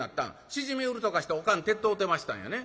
しじみ売りとかしておかん手伝うてましたんやね。